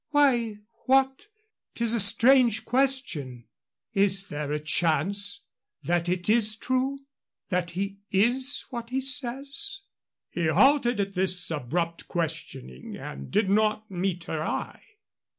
"Why, what 'tis a strange question. Is there a chance that it is true that he is what he says?" He halted at this abrupt questioning and did not meet her eye.